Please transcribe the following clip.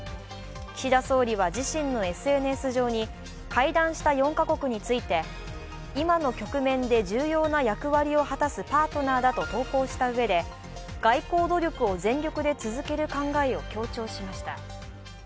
岸田総理は自身のＳＮＳ上に会談した４か国について、今の局面で重要な役割を果たすパートナーだと投稿したうえで外交努力を全力で続ける考えを強調しました。